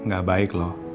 gak baik loh